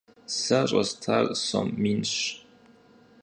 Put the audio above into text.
Сэ щӀэстар сом минщ.